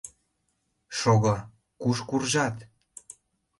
Шого, куш куржат?!